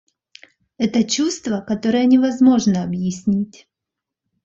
Это чувство, которое невозможно объяснить.